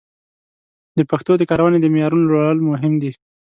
د پښتو د کارونې د معیارونو لوړول مهم دي.